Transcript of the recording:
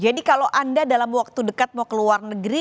jadi kalau anda dalam waktu dekat mau ke luar negeri